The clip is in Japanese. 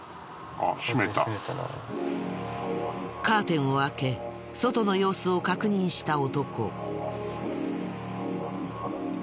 カーテンを開け外の様子を確認した男。